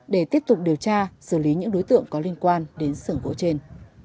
để tiếp tục điều tra xử lý những đối tượng có liên quan đến sưởng gỗ trên